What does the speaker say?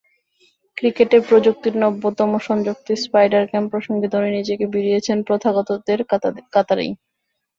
ক্রিকেটে প্রযুক্তির নব্যতম সংযুক্তি স্পাইডার ক্যাম প্রসঙ্গে ধোনি নিজেকে ভিড়িয়েছেন প্রথাগতদের কাতারেই।